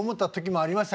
ありました？